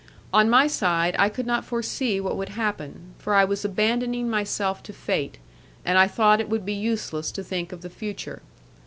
On my side I could not forsee what would happen, for I was abandoning myself to fate, and I thought it would be useless to think of the future.